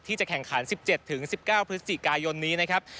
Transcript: จะแข่งขัน๑๗๑๙พฤศจิกายนนี้นะครับ